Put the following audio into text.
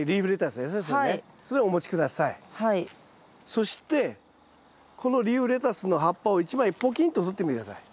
そしてこのリーフレタスの葉っぱを１枚ポキンととってみて下さい。